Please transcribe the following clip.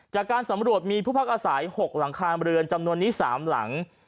จากการสำรวจมีผู้พักอาศัย๖หลังคาเรือนจำนวนนี้๓หลัง